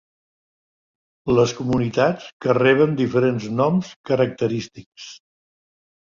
Les comunitats que reben diferents noms característics.